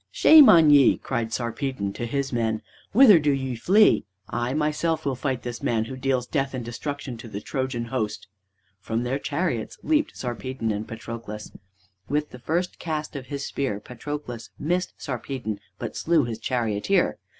"Shame on ye!" cried Sarpedon to his men, "whither do ye flee? I myself will fight this man who deals death and destruction to the Trojan host." From their chariots leaped Sarpedon and Patroclus. With the first cast of his spear Patroelus missed Sarpedon, but slew his charioteer.